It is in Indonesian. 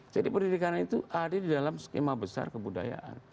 jadi pendidikan itu ada di dalam skema besar kebudayaan